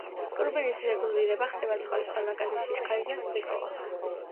ტურბინის რეგულირება ხდება სხვადასხვა ნაკადის სიჩქარეზე და ზეწოლაზე.